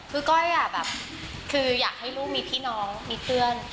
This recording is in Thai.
คือก้อยแบบคืออยากให้ลูกมีพี่น้องมีเพื่อน